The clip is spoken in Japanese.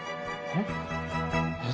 えっ？